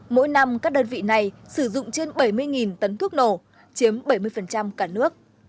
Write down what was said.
mỗi năm các đơn vị này sử dụng trên bảy mươi tấn thuốc nổ chiếm bảy mươi cả nước